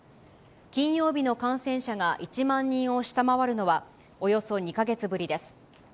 金曜日の感染者が１万人を下回るのは、およそ２か月ぶりです。